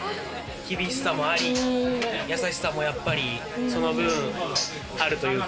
厳しさもあり、優しさも、やっぱりその分、あるというか。